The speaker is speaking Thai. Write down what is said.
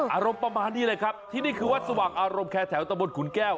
อารมณ์ประมาณนี้เลยครับที่นี่คือวัดสว่างอารมณ์แคร์แถวตะบนขุนแก้ว